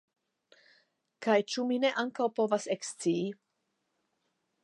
Kaj ĉu mi ne ankaŭ povas ekscii.